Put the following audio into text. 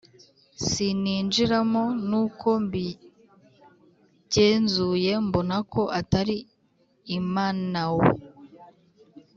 Sininjiramo Nuko mbigenzuye mbona ko atari Imanao